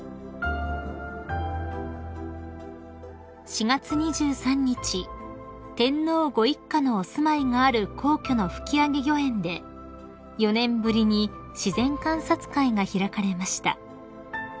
［４月２３日天皇ご一家のお住まいがある皇居の吹上御苑で４年ぶりに自然観察会が開かれました］